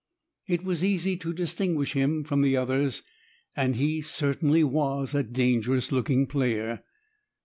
It was easy to distinguish him from the others, and he certainly was a dangerous looking player.